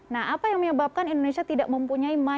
nah apa yang menyebabkan indonesia tidak mempunyai